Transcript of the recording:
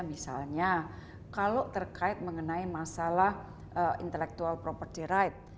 misalnya kalau terkait mengenai masalah intellectual property rights